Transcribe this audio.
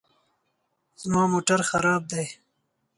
زما موټر خراب دی